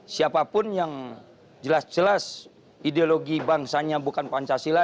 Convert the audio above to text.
siapapun yang jelas jelas ideologi bangsanya bukan pancasila